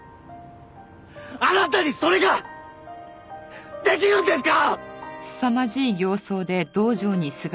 あなたにそれができるんですか！？